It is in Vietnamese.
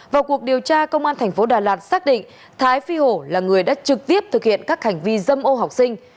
vào cuộc điều tra công an thành phố đà lạt xác định thái phi hổ là người đã trực tiếp thực hiện các hành vi dâm ô học sinh